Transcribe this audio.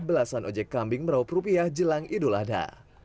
belasan ojek kambing meraup rupiah jelang idul adha